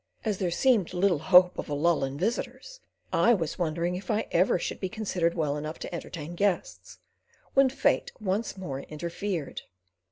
As there seemed little hope of a lull in visitors, I was wondering if ever I should be considered well enough to entertain guests, when Fate once more interfered.